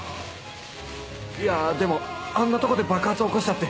いやでもあんなとこで爆発起こしたって